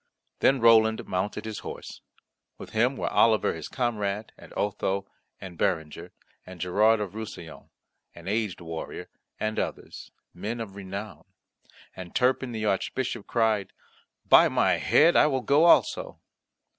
Then Roland mounted his horse. With him were Oliver his comrade, and Otho and Berenger, and Gerard of Roussillon, an aged warrior, and others, men of renown. And Turpin the Archbishop cried, "By my head, I will go also."